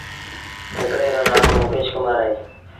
هڪڙي روٚ نآلو مڪيش ڪمآر اهي۔